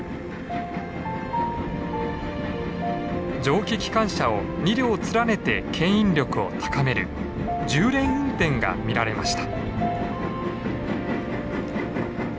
蒸気機関車を２両連ねてけん引力を高める重連運転が見られました。